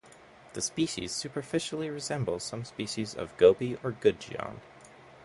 The species superficially resembles some species of goby or gudgeon.